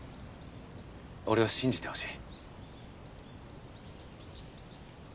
俺を信じてほしい。